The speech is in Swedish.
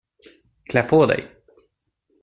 Klä på dig.